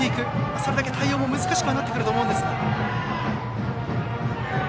それだけ対応も難しくなっていくと思いますが。